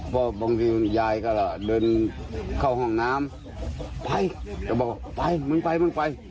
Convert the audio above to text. บางทียายก็เดินเข้าห้องน้ำไปจะบอกไปมันไปมันไป